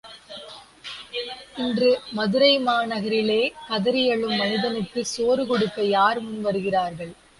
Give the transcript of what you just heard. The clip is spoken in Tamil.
இன்று, மதுரைமா நகரிலே கதறியழும் மனிதனுக்குச் சோறு கொடுக்க யார் முன் வருகிறார்கள்?